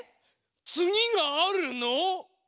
つぎがあるの？